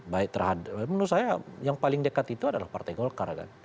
baik terhadap menurut saya yang paling dekat itu adalah partai golkar kan